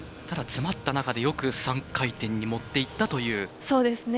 ただ、詰まった中でよく３回転に持っていったという。